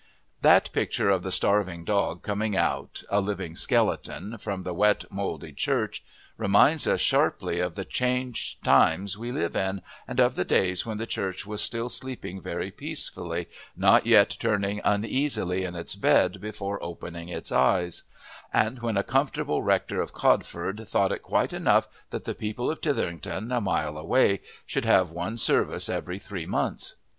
That picture of the starving dog coming out, a living skeleton, from the wet, mouldy church, reminds us sharply of the changed times we live in and of the days when the Church was still sleeping very peacefully, not yet turning uneasily in its bed before opening its eyes; and when a comfortable rector of Codford thought it quite enough that the people of Tytherington, a mile away, should have one service every three months.